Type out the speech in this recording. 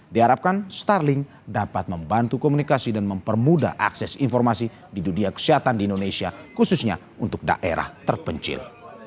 diharapkan starling dapat membantu komunikasi dan mempermudah akses informasi di dunia kesehatan di indonesia khususnya untuk daerah terpencil